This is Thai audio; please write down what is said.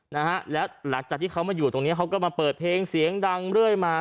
นะฮะแล้วหลังจากที่เขามาอยู่ตรงเนี้ยเขาก็มาเปิดเพลงเสียงดังเรื่อยมา